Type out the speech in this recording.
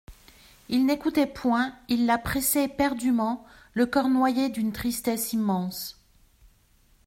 Il n'écoutait point, il la pressait éperdument, le coeur noyé d'une tristesse immense.